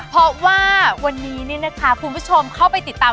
เพราะว่าวันนี้คุณผู้ชมเข้าไปติดตาม